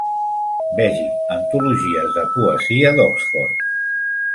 Vegi antologies de poesia d'Oxford.